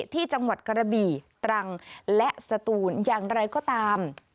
ที่จังหวัดกระบี่ตรังและสตูนอย่างไรก็ตาม